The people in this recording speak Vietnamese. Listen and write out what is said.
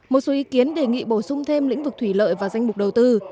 một số ý kiến đề nghị bổ sung thêm lĩnh vực thủy lợi và danh mục đầu tư